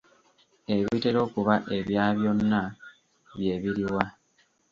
Ebitera okuba ebya byonna, bye biri wa?